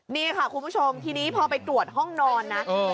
นี่ค่ะคุณผู้ชมทีนี้พอไปตรวจห้องนอนนะ